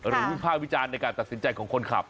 วิภาควิจารณ์ในการตัดสินใจของคนขับ